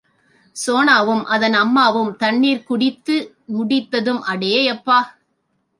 சோனாவும், அதன் அம்மாவும் தண்ணீர் குடித்து முடித்ததும், அடேயப்பா!